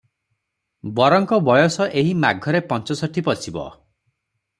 ବରଙ୍କ ବୟସ ଏହି ମାଘରେ ପଞ୍ଚଷଠି ପଶିବ ।